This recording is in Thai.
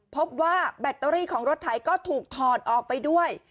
พบว่าแบตเตอรี่ของรถไถก็ถูกถอดออกไปด้วย